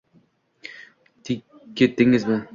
T: ketdingizmi?